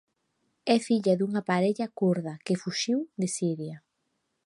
É filla dunha parella kurda que fuxiu de Siria.